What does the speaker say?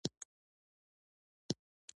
شاه محمود ماته خوړلې ده.